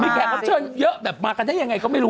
มีแก่ความเชื่อมเยอะมากันได้อย่างไรก็ไม่รู้